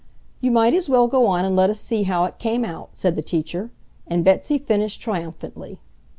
"You might as well go on and let us see how it came out," said the teacher, and Betsy finished triumphantly.